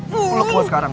peluk gue sekarang